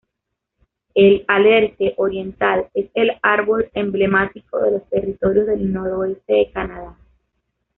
El alerce oriental es el árbol emblemático de los Territorios del Noroeste de Canadá.